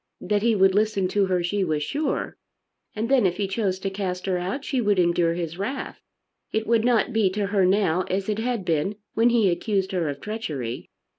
That he would listen to her she was sure, and then if he chose to cast her out, she would endure his wrath. It would not be to her now as it had been when he accused her of treachery.